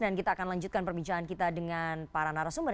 dan kita akan lanjutkan perbincangan kita dengan para narasumber